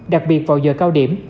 đặc biệt vào giờ cao điểm